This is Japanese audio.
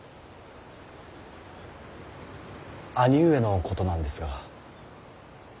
兄上のことなんですが。